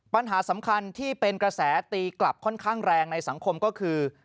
ปัญหาสำคัญที่เป็นกระแสตีกลับค่อนข้างแรงในสังคมก็คือ